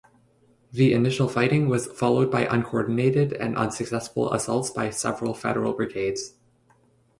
The initial fighting was followed by uncoordinated and unsuccessful assaults by several Federal brigades.